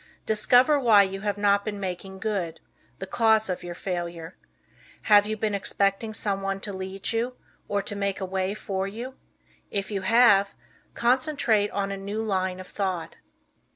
Discover why you have not been making good the cause of your failure. Have you been expecting someone to lead you, or to make a way for you? If you have, concentrate on a new line of thought.